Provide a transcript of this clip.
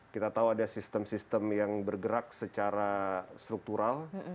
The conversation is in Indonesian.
kita tahu ada sistem sistem yang bergerak secara struktural